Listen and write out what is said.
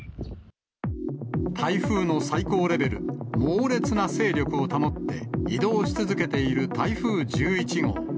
台風の最高レベル、猛烈な勢力を保って移動し続けている台風１１号。